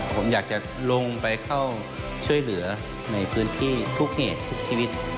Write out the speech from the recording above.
ผมอยากจะลงไปเข้าช่วยเหลือในพื้นที่ทุกเหตุทุกชีวิต